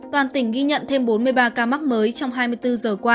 toàn tỉnh ghi nhận thêm bốn mươi ba ca mắc mới trong hai mươi bốn giờ qua